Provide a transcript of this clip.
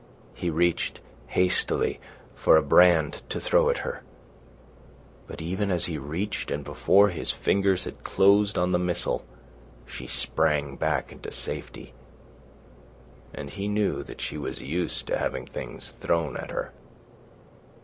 He reached hastily for a brand to throw at her. But even as he reached, and before his fingers had closed on the missile, she sprang back into safety; and he knew that she was used to having things thrown at her.